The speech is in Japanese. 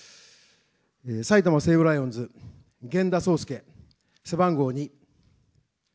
埼玉西武ライオンズ、源田壮亮、背番号２。